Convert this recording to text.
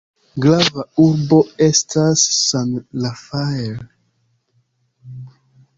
Grava urbo estas San Rafael.